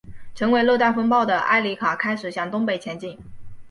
成为热带风暴的埃里卡开始向东北前进。